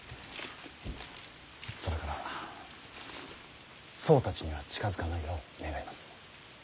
それから僧たちには近づかないよう願います。